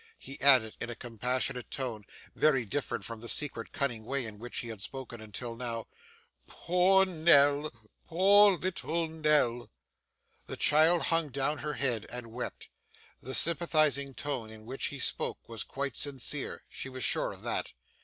he added in a compassionate tone, very different from the secret, cunning way in which he had spoken until now. 'Poor Nell, poor little Nell!' The child hung down her head and wept. The sympathising tone in which he spoke, was quite sincere; she was sure of that.